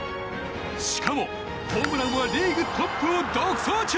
しかもホームランはリーグトップを独走中！